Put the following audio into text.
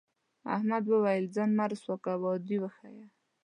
احمد وویل خان مه رسوا کوه عادي وښیه.